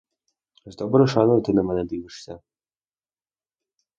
З доброю шаною ти на мене дивишся!